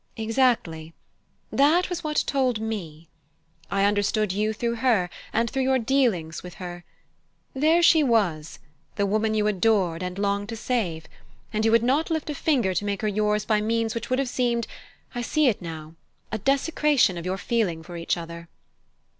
"Exactly. That was what told me. I understood you through her, and through your dealings with her. There she was the woman you adored and longed to save; and you would not lift a finger to make her yours by means which would have seemed I see it now a desecration of your feeling for each other."